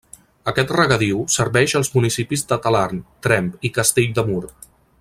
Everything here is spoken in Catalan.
Aquest regadiu serveix els municipis de Talarn, Tremp i Castell de Mur.